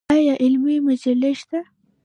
آیا علمي مجلې شته؟